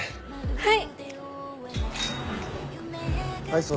はい。